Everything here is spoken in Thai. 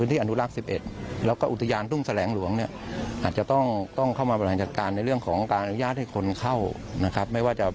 ทุกผู้ชมครับ